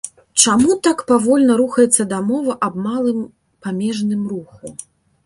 Чаму так павольна рухаецца дамова аб малым памежным руху?